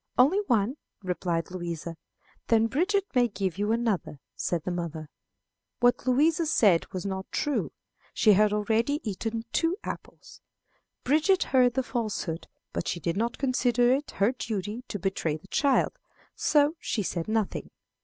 "Only one," replied Louisa. "Then Bridget may give you another," said the mother. What Louisa said was not true. She had already eaten two apples. Bridget heard the falsehood, but she did not consider it her duty to betray the child, so she said nothing.